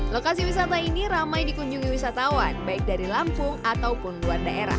lokasi wisata ini ramai dikunjungi wisatawan baik dari lampung ataupun luar daerah